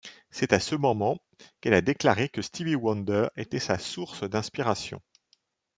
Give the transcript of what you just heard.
C'est à ce moment qu'elle a déclaré que Stevie Wonder était sa source d'inspiration.